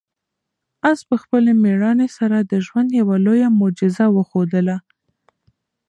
آس په خپلې مېړانې سره د ژوند یوه لویه معجزه وښودله.